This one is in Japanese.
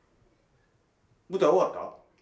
舞台終わった？